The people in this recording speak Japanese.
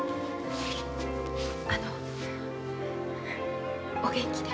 あのお元気で。